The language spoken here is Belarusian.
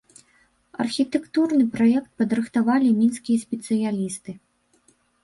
Архітэктурны праект падрыхтавалі мінскія спецыялісты.